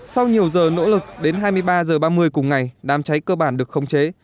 sau nhiều giờ nỗ lực đến hai mươi ba h ba mươi cùng ngày đám cháy cơ bản được khống chế